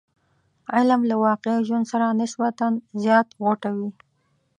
علم له واقعي ژوند سره نسبتا زیات غوټه وي.